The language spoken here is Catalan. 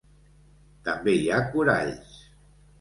També hi ha coralls.